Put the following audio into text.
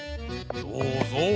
どうぞ！